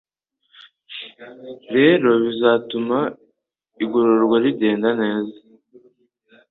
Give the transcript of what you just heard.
rero bizatuma igogorwa rigenda neza.